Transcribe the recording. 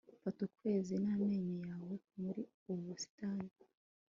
fata ukwezi n'amenyo yawe muri ubu busitani